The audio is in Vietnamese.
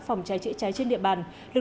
phòng cháy chữa cháy trên địa bàn